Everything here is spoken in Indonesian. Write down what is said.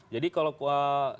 jadi kalau kuat